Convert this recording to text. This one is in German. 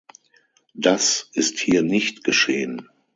Das ist hier nicht geschehen.